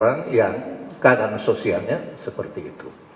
orang yang keadaan sosialnya seperti itu